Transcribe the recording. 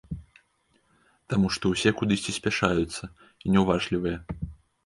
Таму што ўсе кудысьці спяшаюцца, і няўважлівыя.